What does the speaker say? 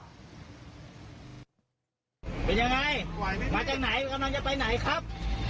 เป็นยังไงไหวไหมมาจากไหนกำลังจะไปไหนครับ